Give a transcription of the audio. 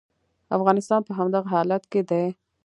افغانستان په همدغه حالت کې دی.